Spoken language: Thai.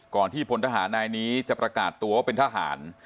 ที่พลทหารนายนี้จะประกาศตัวว่าเป็นทหาร